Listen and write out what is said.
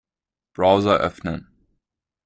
Browser öffnen.